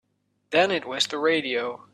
Then it was the radio.